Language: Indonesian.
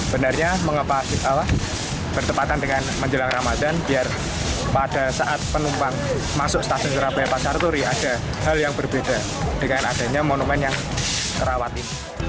benarnya mengapa bertepatan dengan menjelang ramadan biar pada saat penumpang masuk stasiun surabaya pasar turi ada hal yang berbeda dengan adanya monumen yang terawat ini